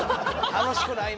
楽しくないな。